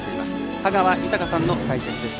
羽川豊さんの解説でした。